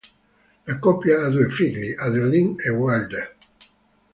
La coppia ha due figli, Adeline e Wilder.